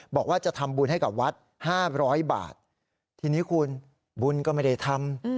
บอกว่าจะทำบุญให้กับวัดห้าร้อยบาททีนี้คุณบุญก็ไม่ได้ทำ